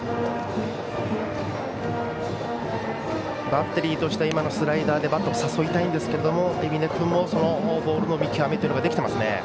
バッテリーとしてはスライダーでバッターを誘いたいんですが海老根君もボールの見極めができていますね。